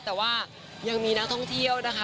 แต่ว่ายังมีนักท่องเที่ยวนะคะ